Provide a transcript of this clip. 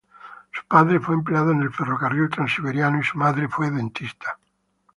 Su padre fue empleado en el ferrocarril Transiberiano, y su madre fue dentista.